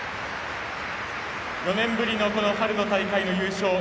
４年ぶりの春の大会の優勝。